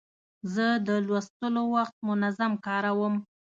زه د لوستلو وخت منظم کاروم.